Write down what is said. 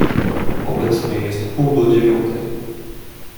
"Obecnie jest pół do dziewiątej."